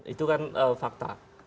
itu kan fakta